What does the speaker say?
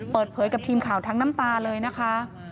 เปิดเผยกับทีมข่าวทั้งน้ำตาเลยนะคะ